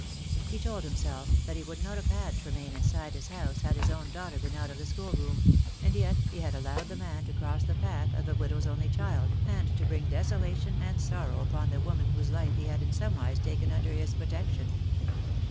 He told him self that he would not have had Tremaine inside his house had his own daughter been out of the schoolroom; and yet he had allowed the man to cross the path of the widow's only child, and to bring desolation and sorrow upon the woman whose life he had in somewise taken under his protection.